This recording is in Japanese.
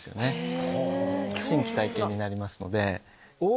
新奇体験になりますので。